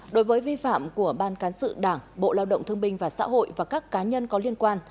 một đối với vi phạm của ban cán sự đảng bộ lao động thương binh và xã hội và các cá nhân có liên quan